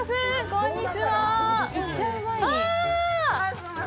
こんにちは